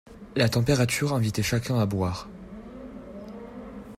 La température invitait chacun à boire.